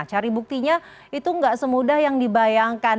cari buktinya itu nggak semudah yang dibayangkan